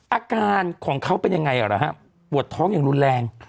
อาการของเขาเป็นยังไงฮะปวดท้องอย่างรุนแรง